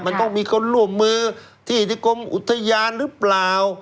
มันต้องมีคนร่วมมือที่ที่กรมอุทยานหรือเปล่า